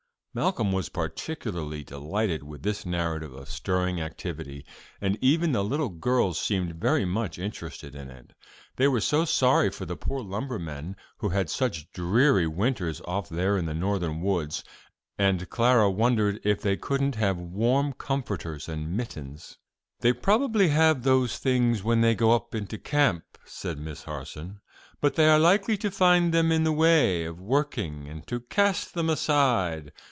'" Malcolm was particularly delighted with this narrative of stirring activity, and even the little girls seemed very much interested in it. They were so sorry for the poor lumbermen who had such dreary winters off there in the Northern woods, and Clara wondered if they couldn't have warm comforters and mittens. "They probably have those things when they go into camp," said Miss Harson, "but they are likely to find them in the way of working, and to cast them aside.